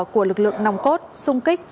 của lực lượng nòng cốt sung kích